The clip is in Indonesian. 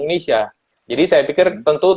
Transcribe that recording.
indonesia jadi saya pikir tentu